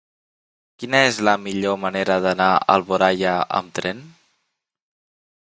Quina és la millor manera d'anar a Alboraia amb tren?